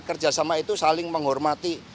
kerjasama itu saling menghormati